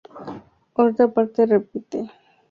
Otra parte permite el paso de embarcaciones más grandes.